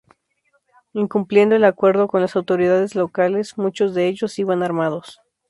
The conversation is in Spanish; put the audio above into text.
Incumpliendo el acuerdo con las autoridades locales, muchos de ellos iban armados.